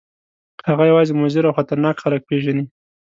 هغه یوازې مضر او خطرناک خلک پېژني.